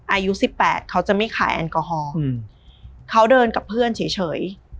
อายุสิบแปดเขาจะไม่ขายแอลกอฮอล์เขาเดินกับเพื่อนเฉย